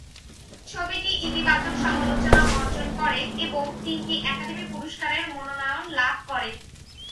ছবিটি ইতিবাচক সমালোচনা অর্জন করে এবং তিনটি একাডেমি পুরস্কারের মনোনয়ন লাভ করে।